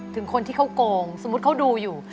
ถึงคนที่เขาโกงสมมุติเขาดูอยู่